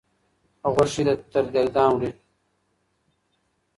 غوښي تر دېګدان وړي